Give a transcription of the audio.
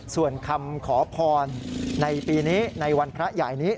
ส่วนคำขอพรในปีนี้ในวันพระใหญ่นี้